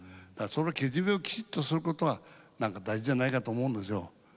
そのけじめをきちっとすることは大事じゃないかと思うんですよ。